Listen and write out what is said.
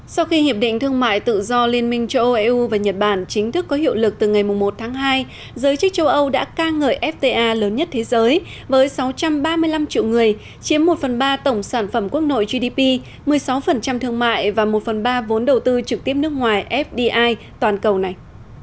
sau khi hiệp định thương mại tự do liên minh châu âu eu và nhật bản chính thức có hiệu lực từ ngày một tháng hai giới chức châu âu đã ca ngợi fta lớn nhất thế giới với sáu trăm ba mươi năm triệu người chiếm một phần ba tổng sản phẩm quốc nội gdp một mươi sáu thương mại và một phần ba vốn đầu tư trực tiếp nước ngoài fdi toàn cầu này